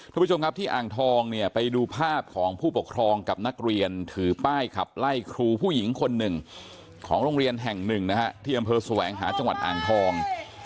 ทุกผู้ชมครับที่อ่างทองเนี่ยไปดูภาพของผู้ปกครองกับนักเรียนถือป้ายขับไล่ครูผู้หญิงคนหนึ่งของโรงเรียนแห่งหนึ่งนะฮะที่อำเภอแสวงหาจังหวัดอ่างทอง